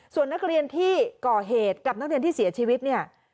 ส่วนนักเรียนที่ก่อเหตุกับนักเรียนที่เสียชีวิตเนี่ย